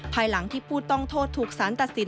ภายหลังที่ผู้ต้องโทษถูกสารตัดสิน